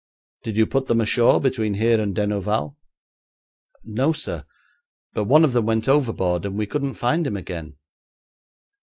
'Did you put them ashore between here and Denouval?' 'No, sir; but one of them went overboard, and we couldn't find him again.'